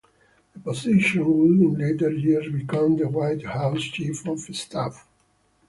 This position would in later years become the White House Chief of Staff.